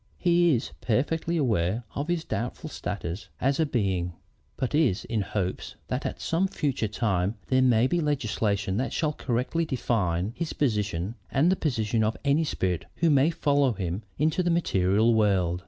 He is perfectly aware of his doubtful status as a being, but is in hopes that at some future time there may be legislation that shall correctly define his position and the position of any spirit who may follow him into the material world.